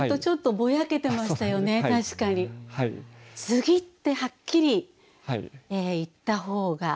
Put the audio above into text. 継ぎってはっきり言った方が。